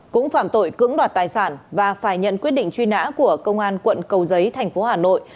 cũng phạm tội cưỡng đoạt tài sản và phải nhận quyết định truy nã của công an quận cầu giấy thành phố hà nội